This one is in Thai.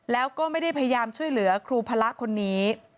แล้วก็ไม่ได้พยายามช่วยเหลือครูพระคนนี้